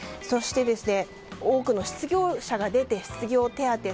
そして多くの失業者が出て失業手当